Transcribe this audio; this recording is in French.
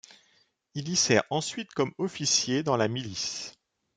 Il y sert ensuite comme officier dans la milice.